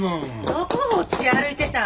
どこをほっつき歩いてたん！